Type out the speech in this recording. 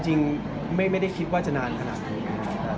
จริงไม่ได้คิดว่าจะนานขนาดนี้